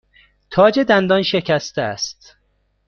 تاج دندان شکسته است.